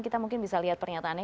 kita mungkin bisa lihat pernyataannya